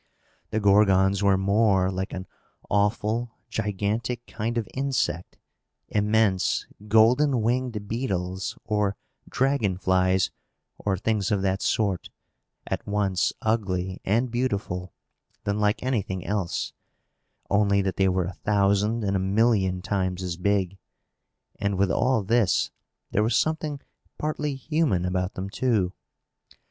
The Gorgons were more like an awful, gigantic kind of insect immense, golden winged beetles, or dragon flies, or things of that sort at once ugly and beautiful than like anything else; only that they were a thousand and a million times as big. And, with all this, there was something partly human about them, too.